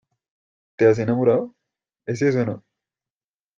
te has enamorado, ¿ es eso , no?